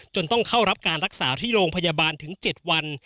ต้องเข้ารับการรักษาที่โรงพยาบาลถึง๗วัน